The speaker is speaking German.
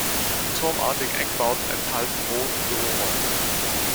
Die turmartigen Eckbauten enthalten Wohn- und Büroräume.